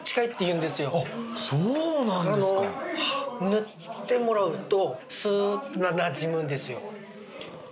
塗ってもらうとスーッとなじむんですよ。